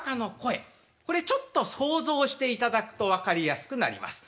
これちょっと想像していただくと分かりやすくなります。